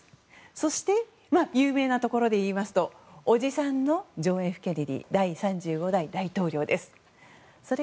そして、有名なところで言うと叔父さんのジョン・Ｆ・ケネディ第３５代大統領です。